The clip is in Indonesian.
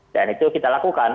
dan itu kita lakukan